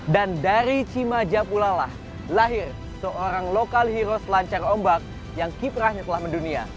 dan dari cibaja pula lah lahir seorang lokal hero selancar ombak yang kiprahnya telah mendunia